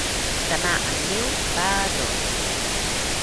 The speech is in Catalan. Demà en Nil va a Ador.